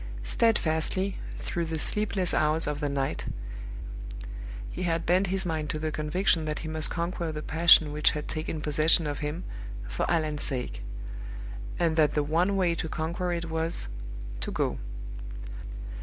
Steadfastly, through the sleepless hours of the night, he had bent his mind to the conviction that he must conquer the passion which had taken possession of him, for Allan's sake; and that the one way to conquer it was to go.